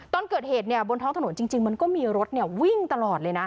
ตอนเกิดเหตุบนท้องถนนจริงมันก็มีรถวิ่งตลอดเลยนะ